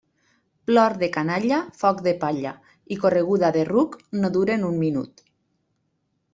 Plor de canalla, foc de palla i correguda de ruc no duren un minut.